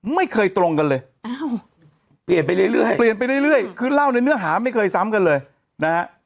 ไม่เคยตรงกันเลยเปลี่ยนไปเรื่อยเปลี่ยนไปเรื่อยคือเล่าในเนื้อหาไม่เคยซ้ำกันเลยนะฮะ